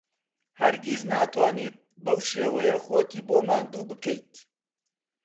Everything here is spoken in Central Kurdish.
هەرگیز ناتوانیت بەو شێوەیە خۆتی بۆ ماندوو بکەیت.